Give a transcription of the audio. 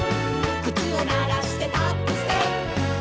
「くつをならしてタップステップ」